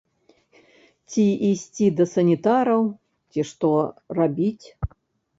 Ці ісці да санітараў, ці што рабіць?